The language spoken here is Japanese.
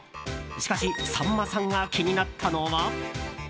しかしさんまさんが気になったのは。